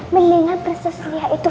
melihat persisnya itu